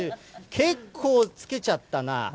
結構つけちゃったな。